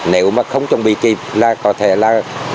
nếu không chuẩn bị kịp là có thể là